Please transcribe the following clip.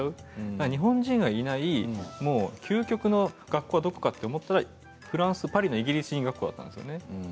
日本人がいない、究極の学校はどこかと思ったらフランス・パリのイギリス人学校だったんです。